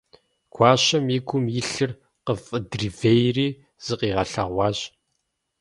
Гуащэм и гум илъыр къыфӀыдривейри, зыкъигъэлъэгъуащ.